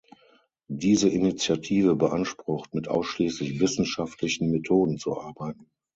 Diese Initiative beansprucht, mit ausschließlich wissenschaftlichen Methoden zu arbeiten.